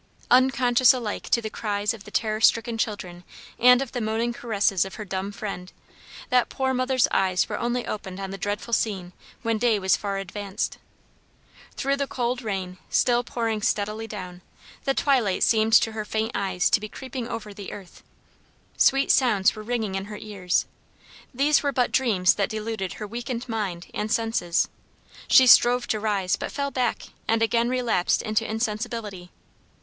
Unconscious alike to the cries of the terror stricken children and of the moaning caresses of her dumb friend, that poor mother's eyes were only opened on the dreadful scene when day was far advanced. Through the cold rain, still pouring steadily down, the twilight seemed to her faint eyes to be creeping over the earth. Sweet sounds were ringing in her ears. These were but dreams that deluded her weakened mind and senses. She strove to rise, but fell back and again relapsed into insensibility.